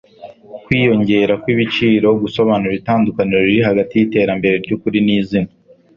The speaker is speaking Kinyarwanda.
Kwiyongera kwibiciro gusobanura itandukaniro riri hagati yiterambere ryukuri nizina